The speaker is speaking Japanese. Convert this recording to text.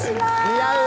似合う。